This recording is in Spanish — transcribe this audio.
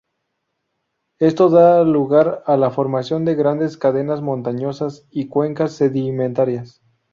Esto da lugar a la formación de grandes cadenas montañosas y cuencas sedimentarias.